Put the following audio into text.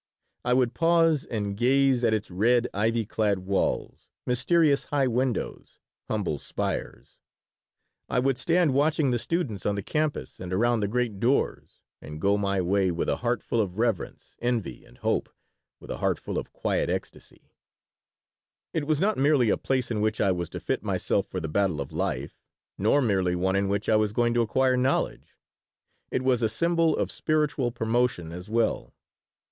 I would pause and gaze at its red, ivy clad walls, mysterious high windows, humble spires; I would stand watching the students on the campus and around the great doors, and go my way, with a heart full of reverence, envy, and hope, with a heart full of quiet ecstasy It was not merely a place in which I was to fit myself for the battle of life, nor merely one in which I was going to acquire knowledge. It was a symbol of spiritual promotion as well.